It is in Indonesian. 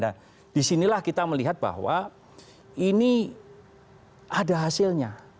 dan disinilah kita melihat bahwa ini ada hasilnya